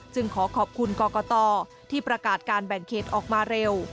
ขอขอบคุณกรกตที่ประกาศการแบ่งเขตออกมาเร็ว